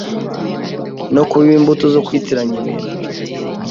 no kubiba imbuto zo kwitiranya ibintu